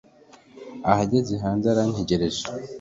ahagaze hanze arantegereje